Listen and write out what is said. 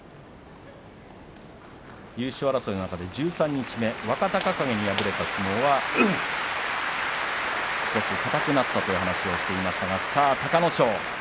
優勝争いの中で十三日目に若隆景に敗れた相撲は少し硬くなったという話をしていました隆の勝。